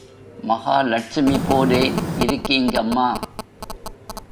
மகாலட்சுமி போலே இருக்கீங்கம்மா!